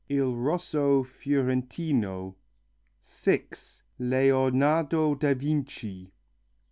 Il Rosso Fiorentino. 6. Leonardo da Vinci.